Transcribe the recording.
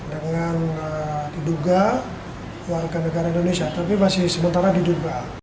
dengan diduga warga negara indonesia tapi masih sementara diduga